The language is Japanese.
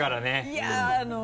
いやあの。